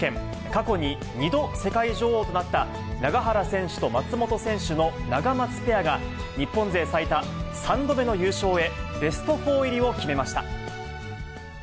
過去に２度世界女王となった永原選手と松本選手のナガマツペアが、日本勢最多３度目の優勝へ、ベストフォー入りを決めました。